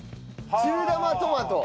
中玉トマト。